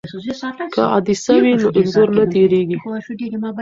که عدسیه وي نو انځور نه تتېږي.